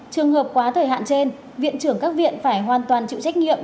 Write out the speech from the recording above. trường hợp quá thời hạn trên viện trưởng các viện phải hoàn toàn chịu trách nhiệm